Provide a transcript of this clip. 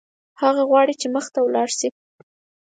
هغه غواړي چې مخته ولاړ شي.